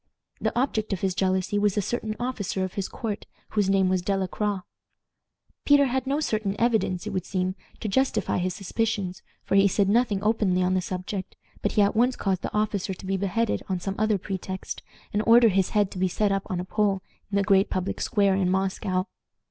The object of his jealousy was a certain officer of his court whose name was De la Croix. Peter had no certain evidence, it would seem, to justify his suspicions, for he said nothing openly on the subject, but he at once caused the officer to be beheaded on some other pretext, and ordered his head to be set up on a pole in a great public square in Moscow.